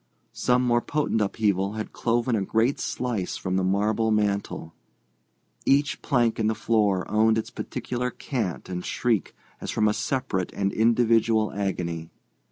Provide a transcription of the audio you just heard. Some more potent upheaval had cloven a great slice from the marble mantel. Each plank in the floor owned its particular cant and shriek as from a separate and individual agony.